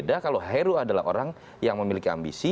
tidak kalau heru adalah orang yang memiliki ambisi